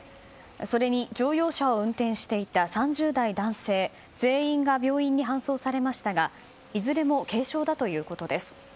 それに、乗用車を運転していた３０代男性全員が病院に搬送されましたがいずれも軽傷だということです。